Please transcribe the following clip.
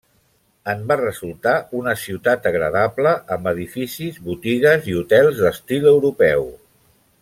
En va resultar una ciutat agradable amb edificis, botigues i hotels d'estil europeu.